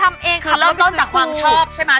ทำเองค่ะเริ่มต้นจากความชอบใช่ไหม